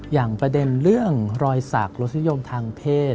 อย่างประเด็นเรื่องรอยสักรสนิยมทางเพศ